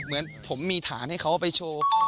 เหมือนผมมีฐานให้เขาไปโชว์